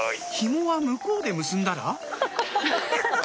紐は向こうで結んだら？